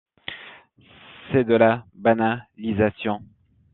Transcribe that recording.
C’est de la banalisation.